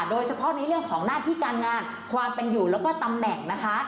โดยเฉพาะในเรื่องของหน้าที่การงานความเป็นอยู่แล้วก็ตำแหน่งนะคะ